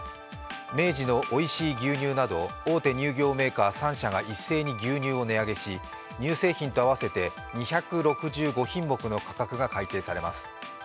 明治のおいしい牛乳など大手乳業メーカー３社が一斉に牛乳を値上げし乳製品と合わせて２６５品目が上がります。